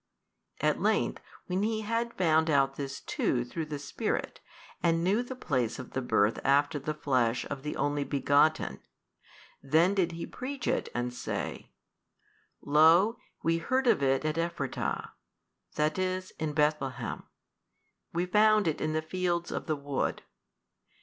At length when he had found out this too through the Spirit, and knew the place of the Birth after the flesh of the Only Begotten, then did he preach it and say, Lo we heard of it at Ephratah, that is, in Bethlehem, we found it in the fields of the wood.